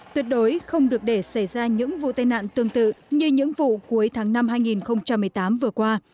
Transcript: tuyệt đối không được để xảy ra những vụ tai nạn tương tự như những vụ cuối tháng năm hai nghìn một mươi tám vừa qua